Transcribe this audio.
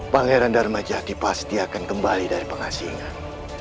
pangeran dharma jaki pasti akan kembali dari pengasingan